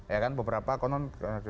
ya kan beberapa konon